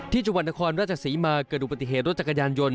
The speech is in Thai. จังหวัดนครราชศรีมาเกิดอุบัติเหตุรถจักรยานยนต